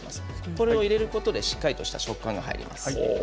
これを入れることでしっかりとした食感が入ります。